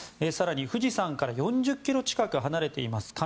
更に富士山から４０ｋｍ近く離れています